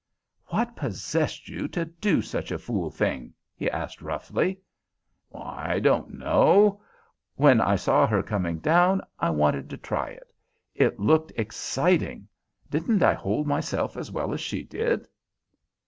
"What possessed you to do such a fool thing?" he asked roughly. "I don't know. When I saw her coming down, I wanted to try it. It looked exciting. Didn't I hold myself as well as she did?"